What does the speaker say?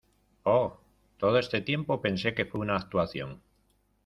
¡ Oh, todo este tiempo pensé que fue una actuación!